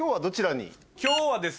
今日はですね